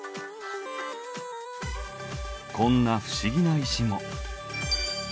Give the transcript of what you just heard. こんな不思議な石も。